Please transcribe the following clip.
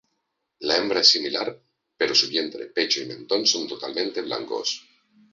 La hembra es similar, pero su vientre, pecho y mentón son totalmente blancos.